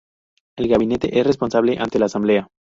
El gabinete es responsable ante la Asamblea.